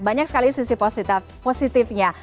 banyak sekali sisi positifnya